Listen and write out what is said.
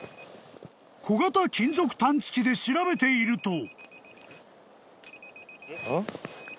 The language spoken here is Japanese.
［小型金属探知機で調べていると］